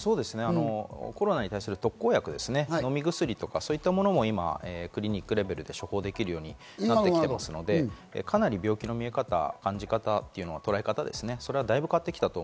コロナに対する特効薬、飲み薬とか、そういったものもクリニックレベルで処方できるようになってきていますので、かなり病気の見え方、感じ方、捉え方は大分変わってきてると